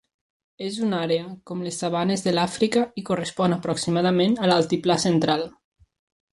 És una àrea, com les sabanes de l'Àfrica, i correspon aproximadament a l'Altiplà Central.